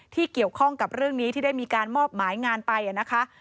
ที่เกี่ยวข้องกับเรื่องนี้ที่ได้มีการมอบหมายงานไปนะคะ